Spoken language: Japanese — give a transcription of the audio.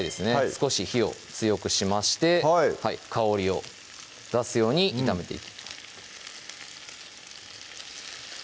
少し火を強くしまして香りを出すように炒めていきます